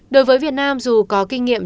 đối với việt nam dù có kinh nghiệm